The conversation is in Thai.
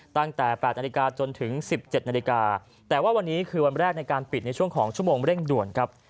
ตั้งแต่๘นาฬิกาจนถึง๑๗นาฬิกาแต่ว่าวันนี้คือวันแรกในการปิดในช่วงของชั่วโมงเร่งด่วนครับ